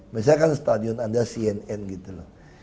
misalkan stadion anda cnn gitu loh